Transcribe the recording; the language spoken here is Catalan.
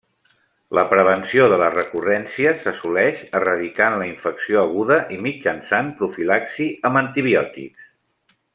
La prevenció de la recurrència s’assoleix erradicant la infecció aguda i mitjançant profilaxi amb antibiòtics.